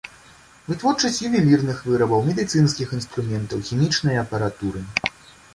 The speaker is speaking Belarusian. Вытворчасць ювелірных вырабаў, медыцынскіх інструментаў, хімічнай апаратуры.